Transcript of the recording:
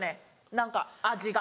何か味が。